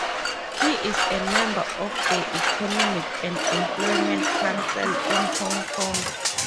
He is a member of the Economic and Employment Council in Hong Kong.